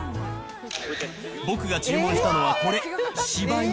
僕が注文したのはこれ、しば犬。